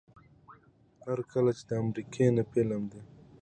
هر کله چې دا امريکنے فلم دے